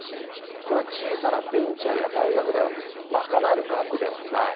これは小さなベンチャーや大学では賄える額ではない。